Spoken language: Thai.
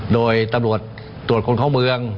โดยตำรวจตรวจคนเข้าเมือง